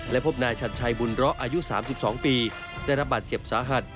และพบนายชัดชัยบุญเลาะอายุ๓๒ปีได้รับบาดเจ็บสาหัส